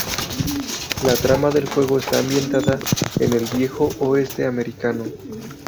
La trama del juego está ambientada en el Viejo Oeste Americano.